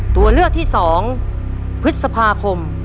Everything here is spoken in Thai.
ตัวเลือกที่๒พฤษภาคม